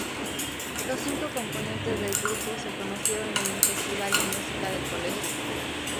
Los cinco componentes del grupo se conocieron en el festival de música del colegio.